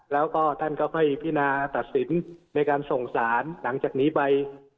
แล้วก็ท่านก็ค่อยพินาตัดสินในการส่งสารหลังจากนี้ไป